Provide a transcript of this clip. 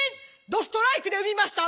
どストライクで産みました。